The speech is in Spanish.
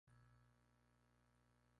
Se sabe muy poco acerca de su biografía.